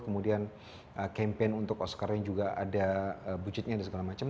kemudian campaign untuk oscar nya juga ada budgetnya dan segala macam